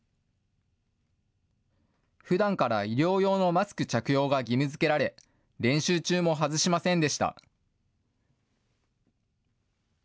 ふだんから医療用のマスク着用が義務づけられ、練習中も外しませんでした。